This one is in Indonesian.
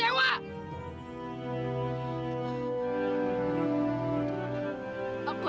aku emang gak berguna